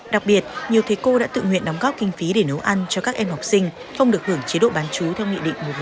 đặc biệt nhiều thầy cô đã tự nguyện đóng góp kinh phí để nấu ăn cho các em học sinh không được hưởng chế độ bán chú theo nghị định một trăm hai mươi